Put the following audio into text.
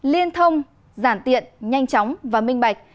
liên thông giản tiện nhanh chóng và minh bạch